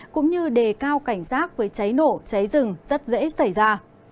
cũng như đề cao cảnh giác với cháy nổ cháy rừng rất dễ xảy ra